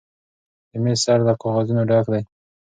د میز سر له کاغذونو ډک دی.